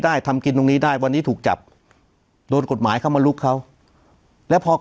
ทำกินตรงนี้ได้วันนี้ถูกจับโดนกฎหมายเข้ามาลุกเขาแล้วพอ